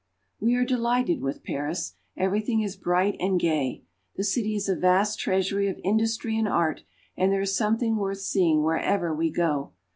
WE are delighted with Paris. Everything is bright and gay. The city is a vast treasury of industry and art, and there is something worth seeing wherever we go.